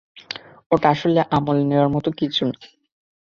ওটা আসলে আমলে নেওয়ার মতো কিছু না।